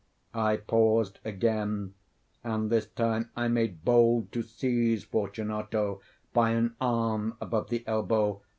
I paused again, and this time I made bold to seize Fortunato by an arm above the elbow.